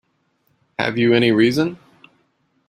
Have you any reason?